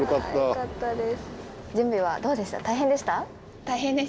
よかったです。